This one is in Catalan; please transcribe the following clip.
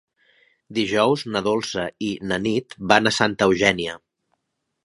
Dijous na Dolça i na Nit van a Santa Eugènia.